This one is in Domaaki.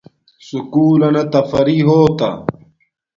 سکُول لنا تفرری ہوتا